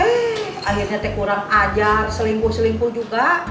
eh akhirnya teh kurang ajar selingkuh selingkuh juga